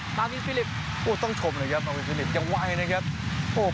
ตอนนี้ฟิลิปต้องชมเลยครับฟิลิปยังไวนะครับ